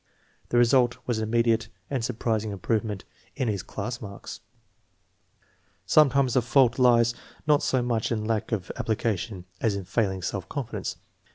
The result was an immediate and surprising improvement in his class marks. Sometimes the fault lies not so much in lack of ap plication as in failing self confidence.